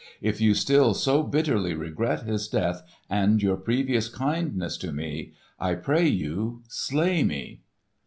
"If you still so bitterly regret his death and your previous kindness to me, I pray you slay me!"